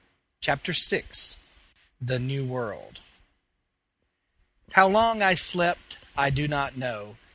CHAPTER VI THE NEW WORLD How long I slept I do not know.